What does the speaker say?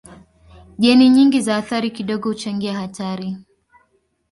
Jeni nyingi za athari kidogo huchangia hatari.